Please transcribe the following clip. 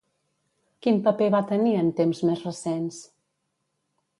Quin paper va tenir en temps més recents?